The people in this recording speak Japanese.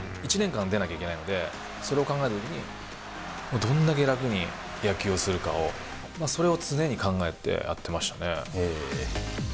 １年間、出なきゃいけないので、それを考えたときに、どんだけ楽に野球するかを、それを常に考えてやってましたね。